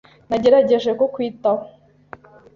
Nagerageje kukwitaho.